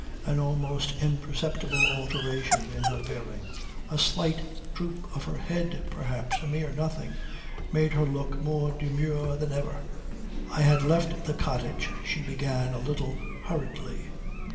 An almost imperceptible alteration in her bearing; a slight droop of her head perhaps a mere nothing made her look more demure than ever. "I had left the cottage," she began a little hurriedly.